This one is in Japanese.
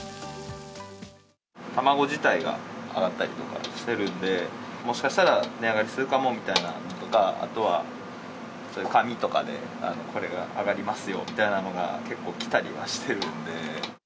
卵自体が上がったりとかしてるんで、もしかしたら値上がりするかもみたいな、あとは紙とかでこれが上がりますよみたいなのが結構来たりはしてるんで。